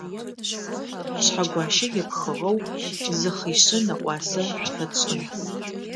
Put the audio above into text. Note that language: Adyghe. Шъхьэгуащэ епхыгъэу зы хъишъэ нэӏуасэ шъуфэтшӏын.